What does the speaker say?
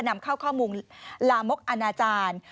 นำเข้าข้อมูลลามมกอนะจาน